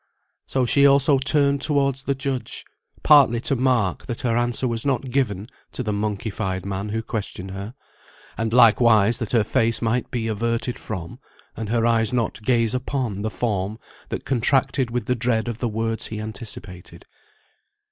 So she also turned towards the judge, partly to mark that her answer was not given to the monkeyfied man who questioned her, and likewise that her face might be averted from, and her eyes not gaze upon, the form that contracted with the dread of the words he anticipated.